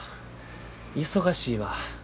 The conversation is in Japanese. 忙しいわ。